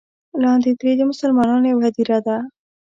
لاندې ترې د مسلمانانو یوه هدیره ده.